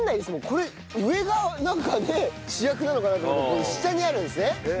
これ上がなんかね主役なのかなと思ったら下にあるんですね。